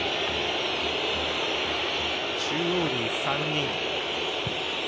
中央に３人。